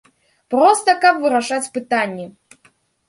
Проста каб вырашаць пытанні.